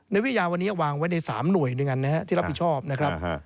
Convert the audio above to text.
ในวิทยาวันนี้วางไว้ใน๓หน่วยด้วยกันนะครับที่รับผิดชอบนะครับ